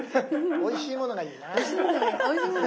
おいしいものがいいな。